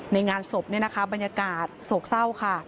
ในงานศพบรรยากาศโศกเศร้าค่ะ